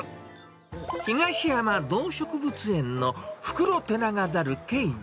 東山動植物園のフクロテナガザル、ケイジ。